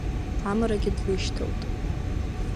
Амрагьы длышьҭалт.